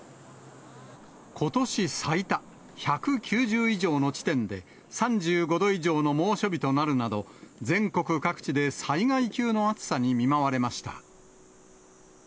ことし最多１９０以上の地点で３５度以上の猛暑日となるなど、全国各地で災害級の暑さに見舞われました。